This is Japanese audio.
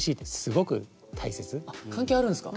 関係あるんすか。